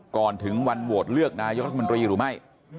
ก่อนถึงวันโหวตเลือกนายกรัฐมนตรีหรือไม่